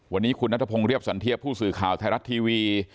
วันนี้คุณนัทพงศ์เรียบสันเทียบผู้สื่อข่าวไทยรัฐทีวี